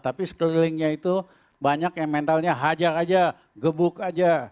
tapi sekelilingnya itu banyak yang mentalnya hajar aja gebuk aja